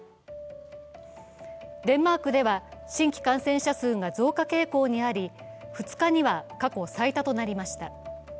デンマークでは新規感染者数が増加傾向にあり２日には過去最多となりました。